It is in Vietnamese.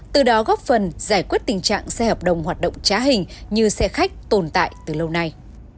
từ đó góp phần giải quyết tình trạng xe hợp đồng hoạt động trá hình như xe khách tồn tại từ lâu nay